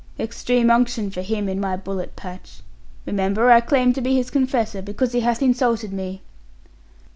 Extreme unction for him in my bullet patch. Remember, I claim to be his confessor, because he hath insulted me.'